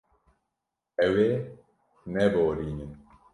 Ew ê neborînin.